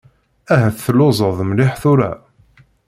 Ahat telluẓeḍ mliḥ tura.